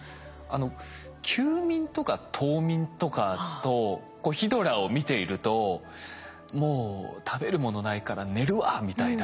休眠とか冬眠とかとこうヒドラを見ていると「もう食べるものないから寝るわ」みたいな。